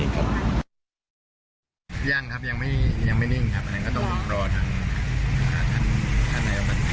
ยังครับยังไม่นิ่งครับอันนั้นก็ต้องรอทางท่านนายกรรมธิการ